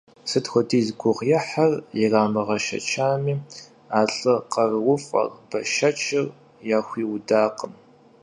Сыт хуэдиз гугъуехь ирамыгъэшэчами, а лӏы къарууфӏэр, бэшэчыр яхуиудакъым.